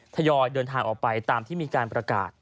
ทยอยเดินทางออกไปตามที่มีการประกาศ